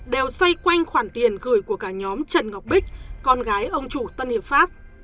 đều xoay quanh khoản tiền gửi của cả nhóm trần ngọc bích con gái ông chủ tân hiệp pháp